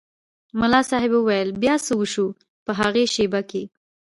ملا صاحب وویل بیا څه وشول په هغې شېبه کې.